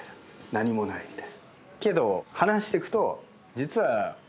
「何もない」みたいな。